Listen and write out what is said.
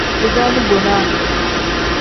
Bisaani bonaa.